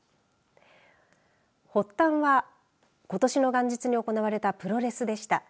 発端はことしの元日に行われたプロレスでした。